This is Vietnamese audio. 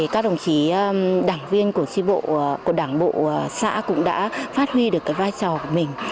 các đồng chí đảng viên của tri bộ của đảng bộ xã cũng đã phát huy được vai trò của mình